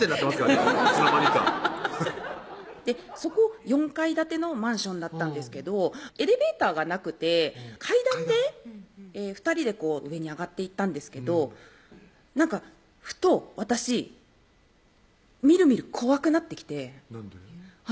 いつの間にかそこ４階建てのマンションだったんですけどエレベーターがなくて階段で２人で上に上がっていったんですけどなんかふと私みるみる怖くなってきてなんで？